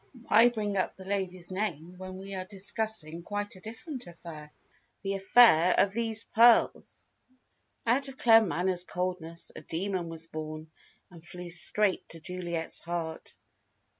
Why bring up the lady's name when we are discussing quite a different affair the affair of these pearls?" Out of Claremanagh's coldness a demon was born, and flew straight to Juliet's heart.